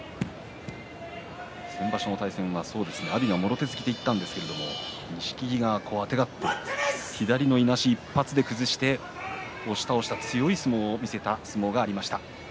先場所の対戦は阿炎がもろ手突きでいきましたが錦木があてがって左のいなし１発で崩して押し倒した強い相撲を見せました。